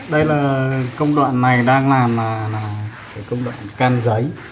đây là công đoạn này đang làm cái công đoạn can giấy